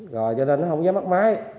rồi cho nên nó không dám bắt máy